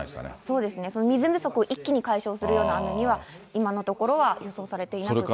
そうですね、水不足を一気に解消するような雨には、今のところは予想されていないですね。